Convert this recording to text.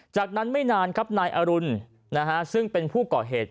จากนั้นไม่นานครับนายอรุณซึ่งเป็นผู้ก่อเหตุ